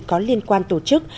có liên quan tổ chức